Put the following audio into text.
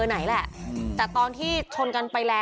ห้ามกันครับผม